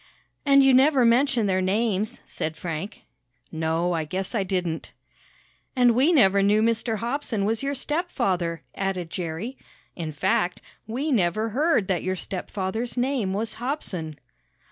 "And you never mentioned their names," said Frank. "No, I guess I didn't." "And we never knew Mr. Hobson was your stepfather," added Jerry. "In fact, we never heard that your stepfather's name was Hobson."